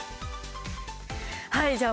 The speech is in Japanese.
はいじゃあ